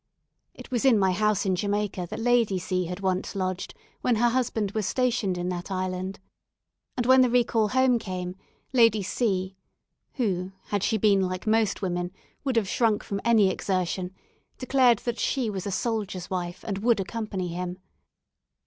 It was in my house in Jamaica that Lady C had once lodged when her husband was stationed in that island. And when the recall home came, Lady C , who, had she been like most women, would have shrunk from any exertion, declared that she was a soldier's wife and would accompany him.